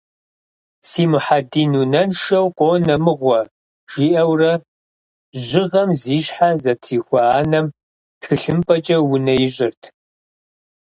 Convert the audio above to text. «Си Мухьэдин унэншэу къонэ мыгъуэ», жиӏэурэ жьыгъэм зи щхьэ зэтрихуа анэм тхылъымпӏэкӏэ унэ ищӏырт.